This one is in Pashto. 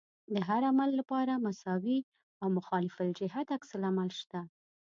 د هر عمل لپاره مساوي او مخالف الجهت عکس العمل شته.